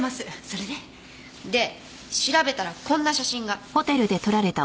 それで？で調べたらこんな写真が。